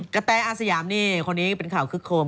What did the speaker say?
กะแต๊อาว์สยามโคนี้เป็นข่าวคลิกโครม